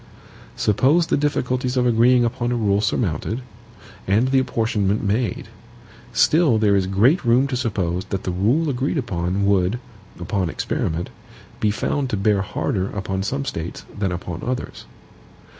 Suppose the difficulties of agreeing upon a rule surmounted, and the apportionment made. Still there is great room to suppose that the rule agreed upon would, upon experiment, be found to bear harder upon some States than upon others.